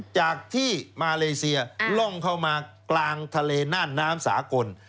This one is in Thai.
จากที่มาเลเซียล่องเข้ามากลางทะเลน่านน้ำสากล